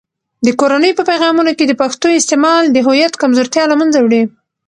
د کورنۍ په پیغامونو کې د پښتو استعمال د هویت کمزورتیا له منځه وړي.